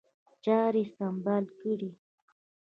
چاري سمبال کړي.